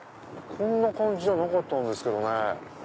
こんな感じじゃなかったんですけどね。